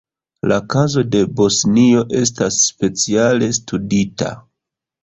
La kazo de Bosnio estas speciale studita.